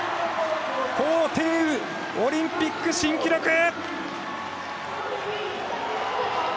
高亭宇、オリンピック新記録！